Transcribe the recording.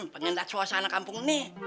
pengen lihat suasana kampung ini